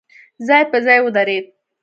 ځای په ځای ودرېد.